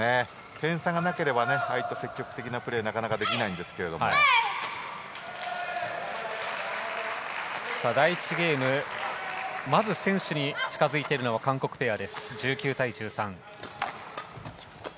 点差がなければ、ああいった積極的なプレーはなかなかできないんですが第１ゲーム、まず先取に近づいているのは韓国ペア。